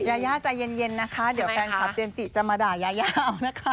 ยายาใจเย็นนะคะเดี๋ยวแฟนคลับเจมส์จิจะมาด่ายายาเอานะคะ